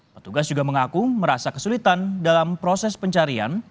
petugas juga mengaku merasa kesulitan dalam proses pencarian